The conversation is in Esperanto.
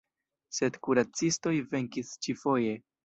Sed kuracistoj venkis ĉifoje.